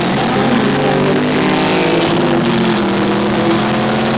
ځینې خلک مالګه له لیمو سره خوري.